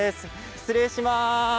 失礼します。